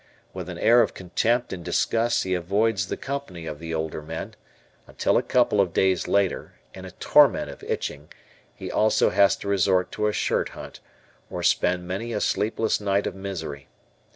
With an air of contempt and disgust he avoids the company of the older men, until a couple of days later, in a torment of itching, he also has to resort to a shirt hunt, or spend many a sleepless night of misery.